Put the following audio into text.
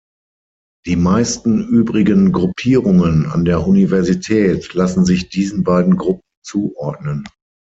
Die meisten übrigen Gruppierungen an der Universität lassen sich diesen beiden Gruppen zuordnen.